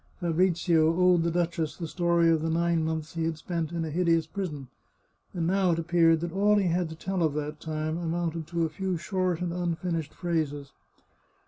Fabrizio owed the duchess the story of the nine months he had spent in a hideous prison, and now it appeared that all 417 The Chartreuse of Parma he had to tell of that time amounted to a few short and un finished phrases.